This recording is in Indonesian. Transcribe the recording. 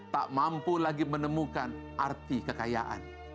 tak mampu lagi menemukan arti kekayaan